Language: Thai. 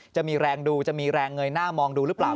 จะมีแรงดูจะมีแรงเงยหน้ามองดูหรือเปล่า